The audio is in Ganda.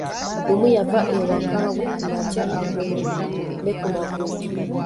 Lumu yava ewakaawe kumakya agolole ku magulu.